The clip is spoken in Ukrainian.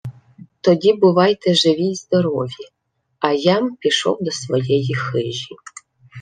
— Тоді бувайте живі й здорові, а я-м пішов до своєї хижі.